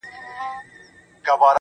مينه او حُسن مو که اور اوبهٔ و